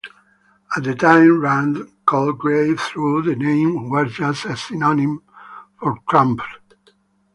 At the time Randle Cotgrave thought the name was just a synonym for Trump.